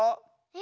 ⁉え